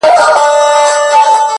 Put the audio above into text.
پرېولئ – په دې ترخو اوبو مو ځان مبارک’